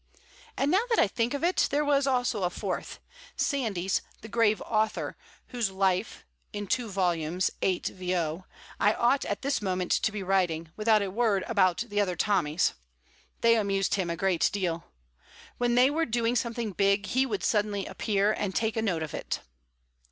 And now that I think of it, there was also a fourth: Sandys, the grave author, whose life (in two vols. 8vo.) I ought at this moment to be writing, without a word about the other Tommies. They amused him a good deal. When they were doing something big he would suddenly appear and take a note of it.